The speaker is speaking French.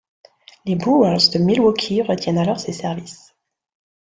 Les Brewers de Milwaukee retiennent alors ses services.